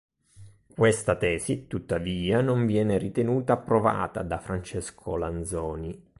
Questa tesi, tuttavia, non viene ritenuta provata da Francesco Lanzoni.